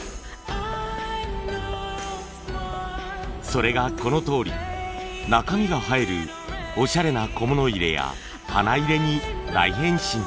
それがこのとおり中身が映えるおしゃれな小物入れや花入れに大変身。